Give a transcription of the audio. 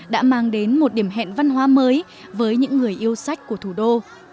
đã mang đến một điểm hẹn văn hóa mới với những người yêu sách của thủ đô